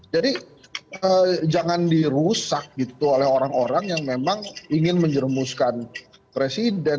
jadi jangan dirusak gitu oleh orang orang yang memang ingin menjeremuskan presiden